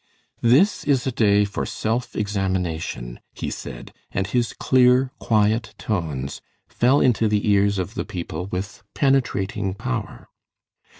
"This is a day for self examination," he said, and his clear, quiet tones fell into the ears of the people with penetrating power.